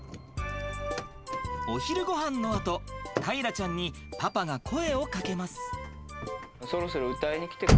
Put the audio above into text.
お昼ごはんのあと大樂ちゃんにパパが声をかけます。